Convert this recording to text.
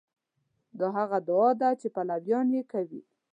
دا هغه ادعا ده چې پلویان یې کوي.